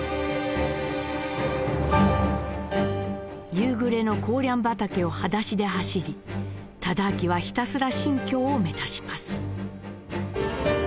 夕暮れのコーリャン畑をはだしで走り忠亮はひたすら新京を目指します。